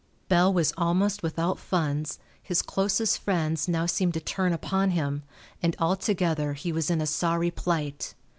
Bell was almost without funds, his closest friends now seemed to turn upon him, and altogether he was in a sorry plight.